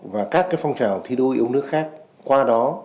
và các phong trào thi đua yêu nước khác qua đó